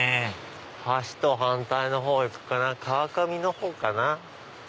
橋と反対のほう行くかな川上のほうかな。